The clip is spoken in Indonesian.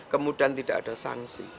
kemudian tidak ada sanksi